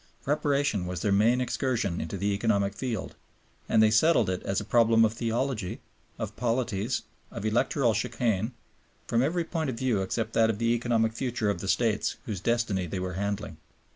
Reparation was their main excursion into the economic field, and they settled it as a problem of theology, of polities, of electoral chicane, from every point of view except that of the economic future of the States whose destiny they were handling.